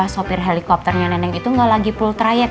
sopir helikopternya neneng itu ngga lagi pull triad